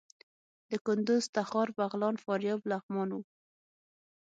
د کندوز، تخار، بغلان، فاریاب، لغمان وو.